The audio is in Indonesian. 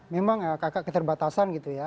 memang keterbatasan gitu ya